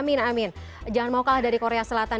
jangan mau kalah dari korea selatan